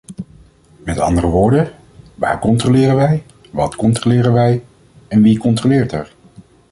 Met andere woorden, waar controleren wij, wat controleren wij en wie controleert er?